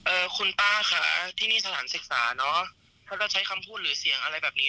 คุณป้าค่ะที่นี่สถานศึกษาเนอะถ้าเราใช้คำพูดหรือเสียงอะไรแบบนี้